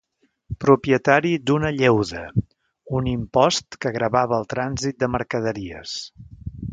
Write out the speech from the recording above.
Propietari d'una lleuda, un impost que gravava el trànsit de mercaderies.